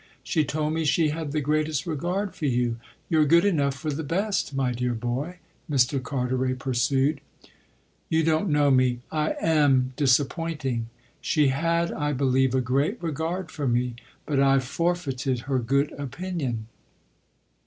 She told me she had the greatest regard for you. You're good enough for the best, my dear boy," Mr. Carteret pursued. "You don't know me: I am disappointing. She had, I believe, a great regard for me, but I've forfeited her good opinion."